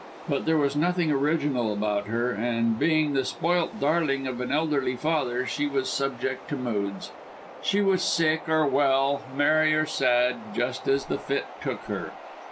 But there was nothing original about her, and, being the spoilt darling of an elderly father, she was subject to moods. She was sick or well, merry or sad, just as the fit took her.